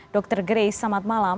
dr grace selamat malam